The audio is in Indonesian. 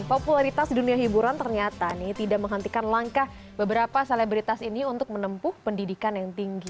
popularitas dunia hiburan ternyata tidak menghentikan langkah beberapa selebritas ini untuk menempuh pendidikan yang tinggi